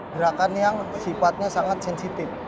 gerakan yang sifatnya sangat sensitif